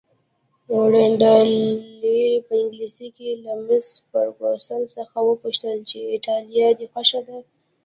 رینالډي په انګلیسي کې له مس فرګوسن څخه وپوښتل چې ایټالیه دې خوښه ده؟